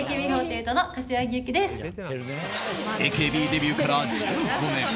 ＡＫＢデビューから１５年。